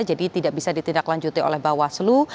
jadi tidak bisa ditindaklanjuti oleh bawaslu